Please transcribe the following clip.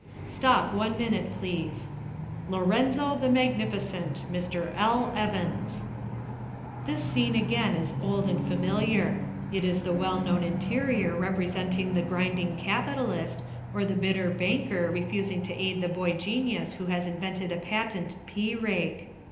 Stop one minute, please. LORENZO THE MAGNIFICENT... Mr. L. Evans This scene again is old and familiar. It is the well known interior representing the Grinding Capitalist, or the Bitter Banker refusing aid to the boy genius who has invented a patent pea rake.